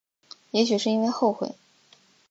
也许是因为后悔